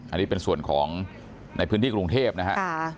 อันนี้เป็นส่วนของในพื้นที่กรุงเทพนะครับ